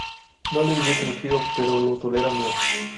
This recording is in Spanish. No les gusta el frío, pero lo toleran bien.